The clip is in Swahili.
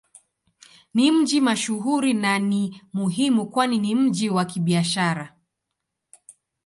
Ni mji mashuhuri na ni muhimu kwani ni mji wa Kibiashara.